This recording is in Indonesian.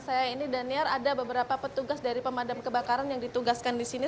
saya ini daniar ada beberapa petugas dari pemadam kebakaran yang ditugaskan di sini